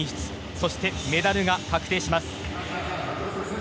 そして、メダルが確定します。